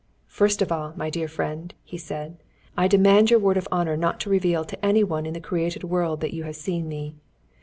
"First of all, my dear friend," said he, "I demand your word of honour not to reveal to any one in the created world that you have seen me.